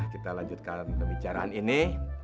kita lanjutkan pembicaraan ini